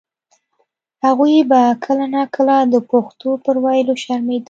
هغوی به کله نا کله د پښتو پر ویلو شرمېدل.